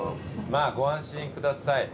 まぁご安心ください。